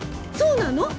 そうなの？